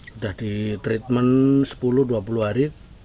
sudah di treatment sepuluh dua puluh hari